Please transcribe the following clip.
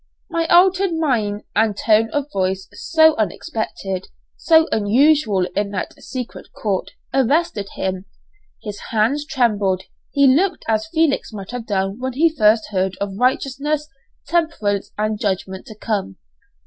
My altered mien and tone of voice, so unexpected, so unusual in that secret court, arrested him; his hand trembled, he looked as Felix might have done when he first heard of "righteousness, temperance and judgment to come."